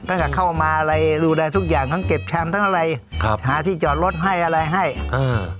กับเข้ามาอะไรดูแลทุกอย่างทั้งเก็บแชมป์ทั้งอะไรครับหาที่จอดรถให้อะไรให้เออ